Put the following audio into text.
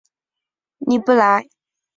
尼布莱。